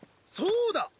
そうだ！